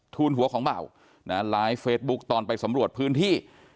หัวของเบานะไลฟ์เฟซบุ๊คตอนไปสำรวจพื้นที่